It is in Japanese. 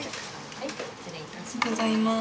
・はい失礼いたします。